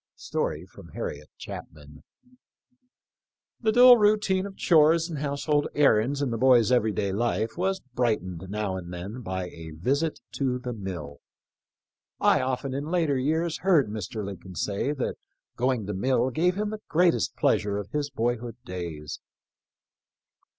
* The dull routine of chores and household errands in the boy's every day life was brightened now and then by a visit to the mill. I often in later years heard Mr. Lincoln say that going to mill gave him the greatest pleasure of his boyhood days.